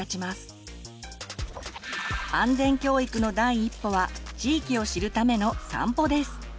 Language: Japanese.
安全教育の第一歩は地域を知るためのさんぽです！